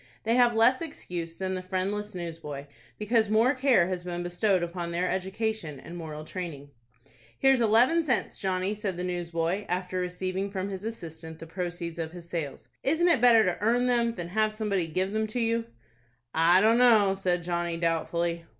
They have less excuse than the friendless newsboy, because more care has been bestowed upon their education and moral training. "Here's eleven cents, Johnny," said the newsboy, after receiving from his assistant the proceeds of his sales. "Isn't it better to earn them than have somebody give them to you?" "I dunno," said Johnny, doubtfully.